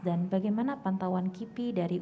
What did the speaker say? dan bagaimana pantauan kipi dari